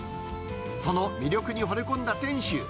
その魅力にほれ込んだ店主。